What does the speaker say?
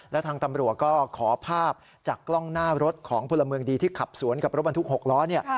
และทางตำรวจก็ขอภาพจากกล้องหน้ารถของพลเมืองดีที่ขับสวนกับรถบรรทุก๖ล้อเนี่ย